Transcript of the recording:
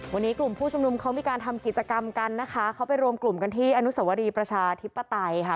วันนี้กลุ่มผู้ชุมนุมเขามีการทำกิจกรรมกันนะคะเขาไปรวมกลุ่มกันที่อนุสวรีประชาธิปไตยค่ะ